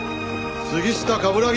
杉下冠城！